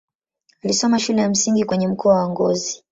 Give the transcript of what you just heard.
Alisoma shule ya msingi kwenye mkoa wa Ngozi.